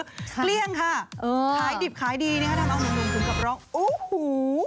เสรื่องนะคะใช้ดิบใช้ดีแบบนั้นทำไมพวกคุณคดอบว่าโอ้โห